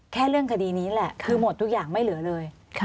เรื่องคดีนี้แหละคือหมดทุกอย่างไม่เหลือเลย